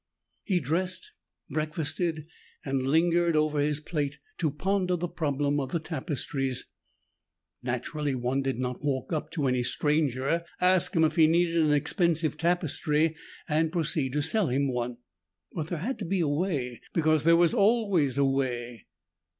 He dressed, breakfasted and lingered over his plate to ponder the problem of the tapestries. Naturally one did not walk up to any stranger, ask him if he needed an expensive tapestry and proceed to sell him one. But there had to be a way because there was always a way.